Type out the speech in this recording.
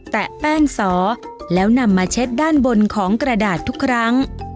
แปะแป้งสอแล้วนำมาเช็ดด้านบนของกระดาษทุกครั้ง